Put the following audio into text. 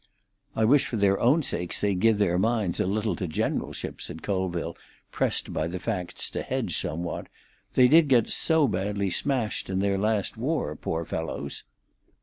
"I wish for their own sakes they'd give their minds a little to generalship," said Colville, pressed by the facts to hedge somewhat. "They did get so badly smashed in their last war, poor fellows."